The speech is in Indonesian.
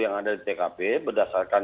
yang ada di tkp berdasarkan